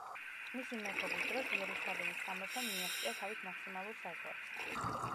მისი მეფობის დროს იერუსალიმის სამეფომ მიაღწია თავის მაქსიმალურ საზღვრებს.